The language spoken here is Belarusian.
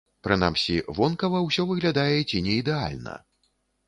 Прынамсі, вонкава ўсё выглядае ці не ідэальна.